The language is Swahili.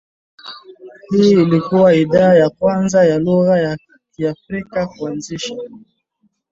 Hii ilikua idhaa ya kwanza ya lugha ya Kiafrika kuanzisha